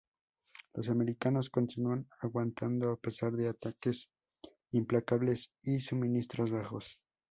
Los americanos continúan aguantando a pesar de ataques implacables y suministros bajos.